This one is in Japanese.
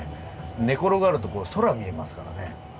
寝転がると空見えますからね。